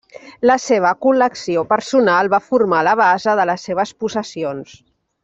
La seva col·lecció personal va formar la base de les seves possessions.